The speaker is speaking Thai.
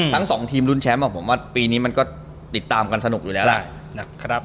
ทั้งสองทีมรุ้นแชมป์ผมว่าปีนี้มันก็ติดตามกันสนุกอยู่แล้วล่ะนะครับ